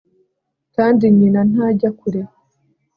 Kandi nyina ntajya kure